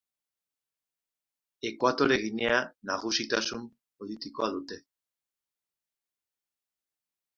Ekuatore Ginea nagusitasun politikoa dute.